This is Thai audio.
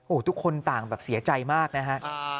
ทุกคนต่างแบบเสียใจมากนะฮะ